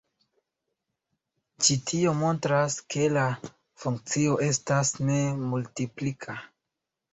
Ĉi tio montras ke la funkcio estas ne multiplika.